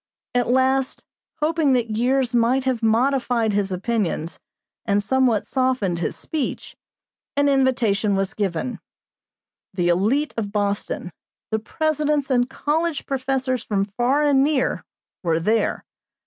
At last, hoping that years might have modified his opinions and somewhat softened his speech, an invitation was given. The élite of Boston, the presidents and college professors from far and near, were there.